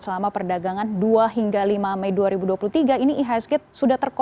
selama perdagangan dua hingga lima mei dua ribu dua puluh tiga ini ihsg sudah terkoneksi